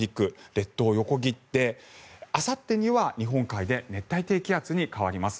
列島を横切ってあさってには日本海で熱帯低気圧に変わります。